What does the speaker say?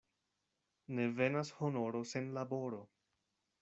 Ne venas honoro sen laboro.